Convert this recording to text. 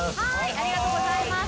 ありがとうございます。